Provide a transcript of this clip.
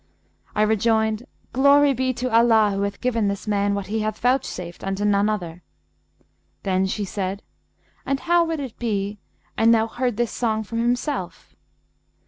I rejoined, 'Glory be to Allah who hath given this man what he hath vouchsafed unto none other!' Then she said 'And how would it be, an thou heard this song from himself?'